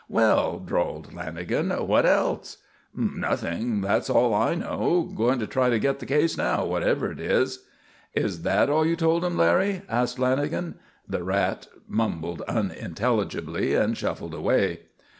"Well," drawled Lanagan, "what else?" "Nothing. That's all I know. Going to try to get the case now, whatever it is." "Is that all you told him, Larry?" asked Lanagan. The Rat mumbled unintelligibly and shuffled away.